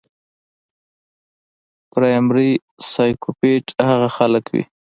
پرايمري سايکوپېت هغه خلک وي